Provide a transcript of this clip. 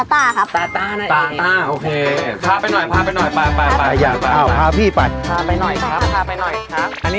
ผ่าไปหน่อยครับ